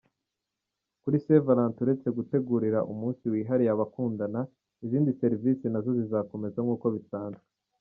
Kuri Saint Valentin, uretse gutegurira umunsi wihariye abakundana, izindi serivisi nazo zizakomeza nkuko bisanzwe.